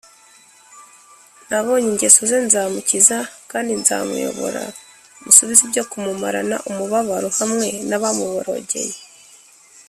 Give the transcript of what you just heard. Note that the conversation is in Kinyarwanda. “nabonye ingeso ze nzamukiza, kandi nzamuyobora musubize ibyo kumumarana umubabaro hamwe n’abamuborogeye”